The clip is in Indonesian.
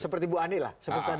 seperti ibu ani lah